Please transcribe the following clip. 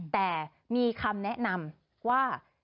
แต่มีคำแนะนำว่า